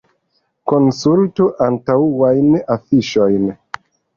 Konsultu antaŭajn afiŝojn.